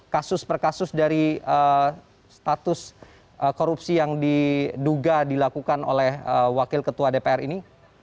kasus per kasus dari status korupsi yang diduga dilakukan oleh wakil ketua dpr ini